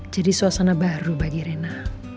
jadi suasana baru bagi rena